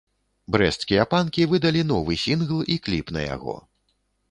Брэсцкія панкі выдалі новы сінгл і кліп на яго.